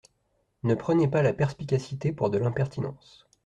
Ne prenez pas la perspicacité pour de l’impertinence.